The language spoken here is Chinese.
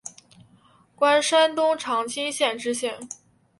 官山东长清县知县。